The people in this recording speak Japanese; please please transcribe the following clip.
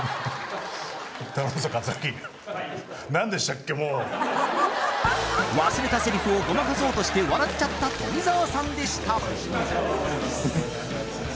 ＮＧがこちら忘れたセリフをごまかそうとして笑っちゃった富澤さんでした